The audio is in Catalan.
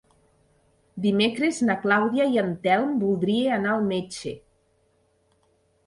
Dimecres na Clàudia i en Telm voldria anar al metge.